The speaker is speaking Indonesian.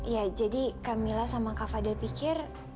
ya jadi camillah sama kak fadil pikir